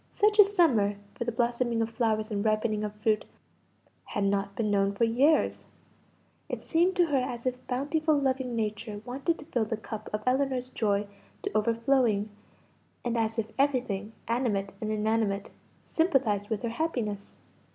Such a summer for the blossoming of flowers and ripening of fruit had not been known for years; it seemed to her as if bountiful loving Nature wanted to fill the cup of Ellinor's joy to overflowing, and as if everything, animate and inanimate, sympathised with her happiness.